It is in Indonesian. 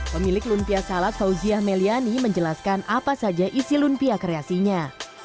pemilik lumpia salad fauziah meliani menjelaskan apa saja isi lumpia kreasinya